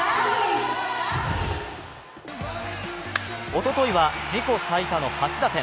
おとといは、自己最多の８打点。